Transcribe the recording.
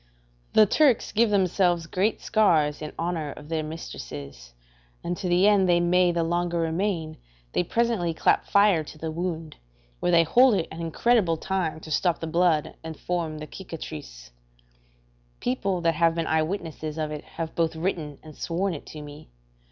The Turks give themselves great scars in honour of their mistresses, and to the end they may the longer remain, they presently clap fire to the wound, where they hold it an incredible time to stop the blood and form the cicatrice; people that have been eyewitnesses of it have both written and sworn it to me.